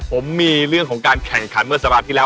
ผมมีเรื่องของการแข่งขันเมื่อสัปดาห์ที่แล้ว